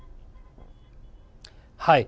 はい。